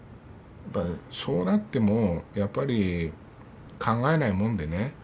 そうなってもやっぱり考えないもんでね。